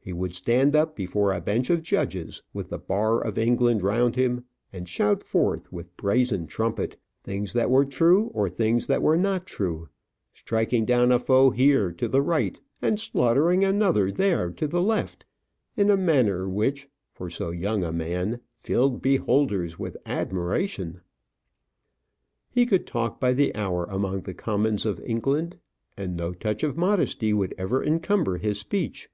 He would stand up before a bench of judges, with the bar of England round him, and shout forth, with brazen trumpet, things that were true, or things that were not true; striking down a foe here to the right, and slaughtering another there to the left, in a manner which, for so young a man, filled beholders with admiration. He could talk by the hour among the Commons of England, and no touch of modesty would ever encumber his speech.